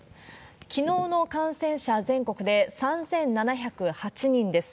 きのうの感染者、全国で３７０８人です。